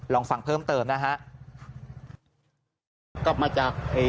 ลองฟังเพิ่มเติมนะฮะ